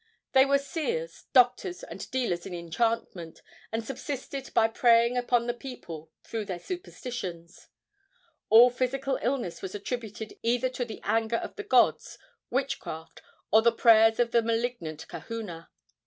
They were seers, doctors and dealers in enchantment, and subsisted by preying upon the people through their superstitions. All physical illness was attributed either to the anger of the gods, witchcraft, or the prayers of a malignant kahuna.